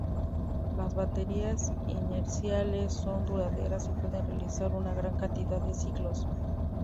Las baterías inerciales son duraderas y pueden realizar una gran cantidad de ciclos.